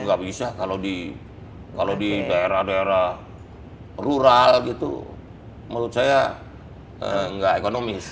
nggak bisa kalau di daerah daerah rural gitu menurut saya nggak ekonomis